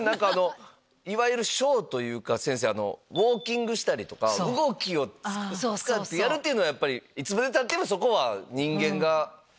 いわゆるショーというかウオーキングしたりとか動きを使ってやるのはいつまでたってもそこは人間が。